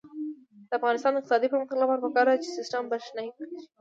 د افغانستان د اقتصادي پرمختګ لپاره پکار ده چې سیستم برښنايي شي.